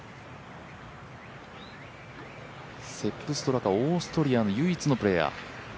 セップ・ストラカ、オーストリア、唯一のプレーヤー。